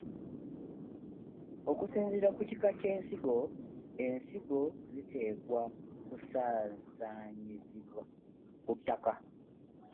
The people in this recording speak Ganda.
Okusinziira ku kika ky’ensigo, ensigo ziteekwa kusaasanyizibwa ku ttaka.